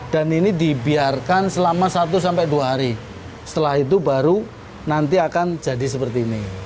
dan ini dibiarkan selama satu dua hari setelah itu baru nanti akan jadi seperti ini